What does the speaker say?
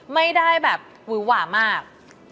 ไม่ได้แบบวิวหวามาก